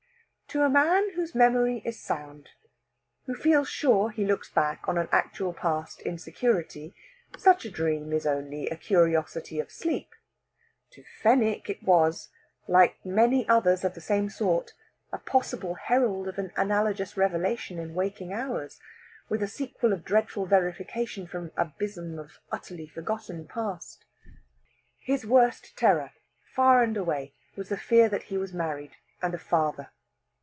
To a man whose memory is sound, who feels sure he looks back on an actual past in security, such a dream is only a curiosity of sleep. To Fenwick it was, like many others of the same sort, a possible herald of an analogous revelation in waking hours, with a sequel of dreadful verification from some abysm of an utterly forgotten past. His worst terror, far and away, was the fear that he was married and a father.